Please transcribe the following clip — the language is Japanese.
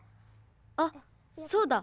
あっそうだ。